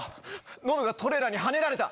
ノブがトレーラーにはねられた。